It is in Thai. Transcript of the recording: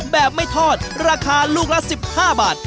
แบบไม่ทอดราคาลูกละ๑๕บาท